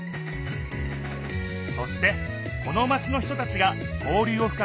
そしてこのマチの人たちが交流をふかめ